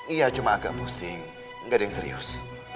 iya cuma agak pusing nggak ada yang serius